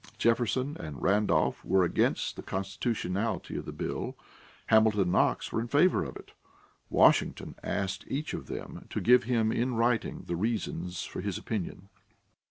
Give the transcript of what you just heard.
Jefferson and Randolph were against the constitutionality of the bill. Hamilton and Knox were in favor of it. Washington asked each of them to give him in writing the reasons for his opinion.